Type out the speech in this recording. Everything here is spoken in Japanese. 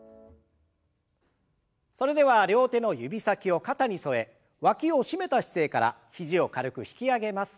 それでは両手の指先を肩に添えわきを締めた姿勢から肘を軽く引き上げます。